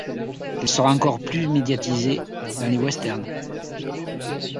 Il sera encore plus médiatisé dans les westerns.